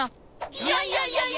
いやいやいやいや！